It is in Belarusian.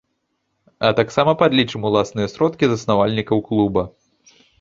А таксама падлічым уласныя сродкі заснавальнікаў клуба.